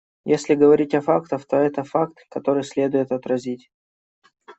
Если говорить о фактах, то это факт, который следует отразить.